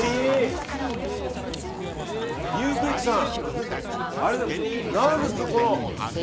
ニュー・クイックさん。